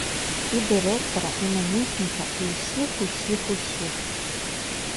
І дырэктара, і намесніка, і ўсіх, усіх, усіх!